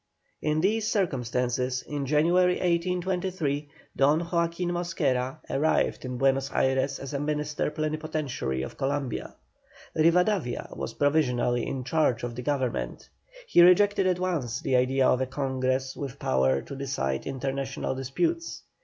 In these circumstances, in January, 1823, Don Joaquin Mosquera arrived in Buenos Ayres as minister plenipotentiary of Columbia. Rivadavia was provisionally in charge of the Government. He rejected at once the idea of a Congress with power to decide international disputes.